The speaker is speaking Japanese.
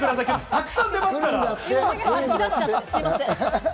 たくさん出ますから。